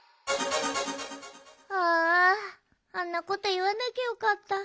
ああんなこといわなきゃよかった。